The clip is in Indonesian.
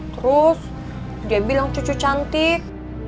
terus dia bilang cucu cantik